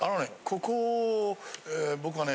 ここ僕はね。